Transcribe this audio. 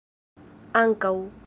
ankaŭ